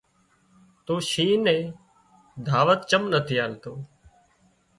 تُون شينهن نين دعوت چم نٿي آلتو